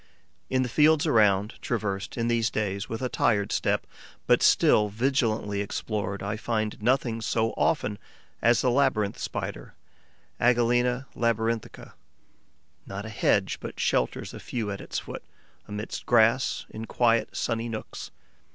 In the fields around, traversed, in these days, with a tired step, but still vigilantly explored, I find nothing so often as the Labyrinth Spider (Agelena labyrinthica, CLERCK.). Not a hedge but shelters a few at its foot, amidst grass, in quiet, sunny nooks.